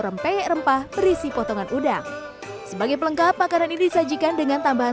rempeyek rempah berisi potongan udang sebagai pelengkap makanan ini disajikan dengan tambahan